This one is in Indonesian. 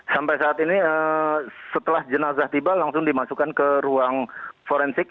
sampai saat ini setelah jenazah tiba langsung dimasukkan ke ruang forensik